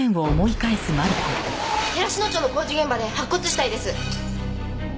寺科町の工事現場で白骨死体です。